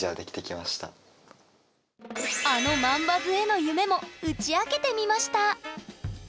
あの万バズへの夢も打ち明けてみました！